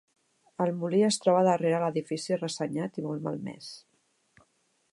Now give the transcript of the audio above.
El molí es troba darrere l'edifici ressenyat i molt malmés.